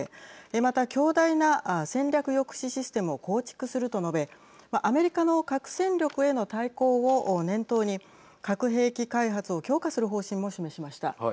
また、強大な戦略抑止システムを構築すると述べアメリカの核戦力への対抗を念頭に核兵器開発を強化する方針も示しました。